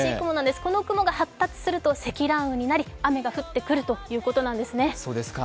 この雲が発達すると積乱雲になり雨が降ってくるということなんでしょうね。